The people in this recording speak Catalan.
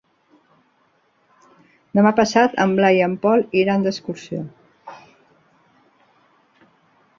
Demà passat en Blai i en Pol iran d'excursió.